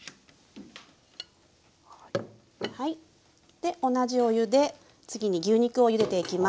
で同じお湯で次に牛肉をゆでていきます。